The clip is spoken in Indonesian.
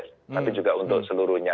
tapi juga untuk seluruhnya